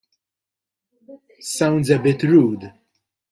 Sounds a Bit Rude!!